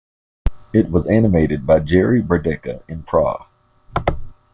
It was animated by Jiri Brdecka in Prague.